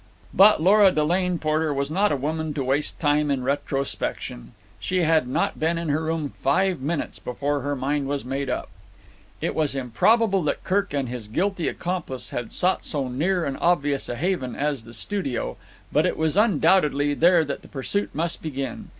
But Lora Delane Porter was not a woman to waste time in retrospection. She had not been in her room five minutes before her mind was made up. It was improbable that Kirk and his guilty accomplice had sought so near and obvious a haven as the studio, but it was undoubtedly there that pursuit must begin.